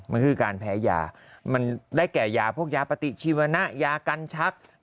มันคือการแพ้ยามันได้แก่ยาพวกยาปฏิชีวนะยากันชัก